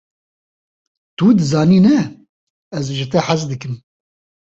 Tu dizanî ne, ez ji te hez dikim.